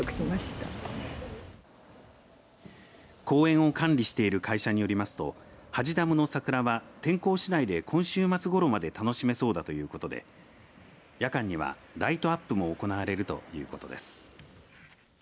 公園を管理している会社によりますと土師ダムの桜は天候次第で今週末ごろまで楽しめそうだということで夜間にはライトアップも行われるということです。